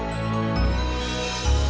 biasa dulu udah vakit